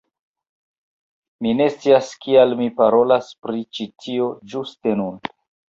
Mi ne scias kial mi parolas pri ĉi tio ĝuste nun